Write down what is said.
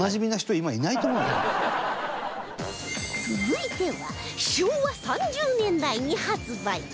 続いては昭和３０年代に発売